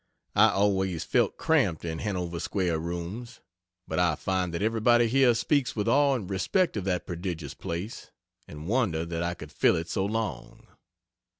I always felt cramped in Hanover Square Rooms, but I find that everybody here speaks with awe and respect of that prodigious place, and wonder that I could fill it so long.